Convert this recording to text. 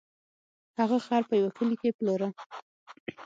هغه خر په یوه کلي کې پلوره.